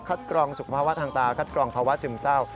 กรองสุขภาวะทางตาคัดกรองภาวะซึมเศร้า